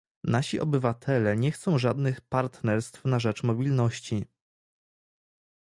Nasi obywatele nie chcą żadnych partnerstw na rzecz mobilności